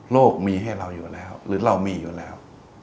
มีให้เราอยู่แล้วหรือเรามีอยู่แล้ว